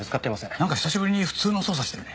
なんか久しぶりに普通の捜査してるね。